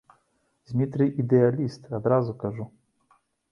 Дзмітрый ідэаліст, адразу кажу.